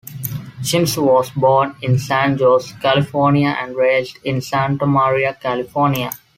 Shimizu was born in San Jose, California and raised in Santa Maria, California.